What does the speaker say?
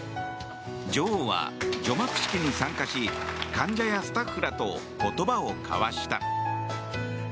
女王は、除幕式に参加し患者やスタッフらと言葉を交わした。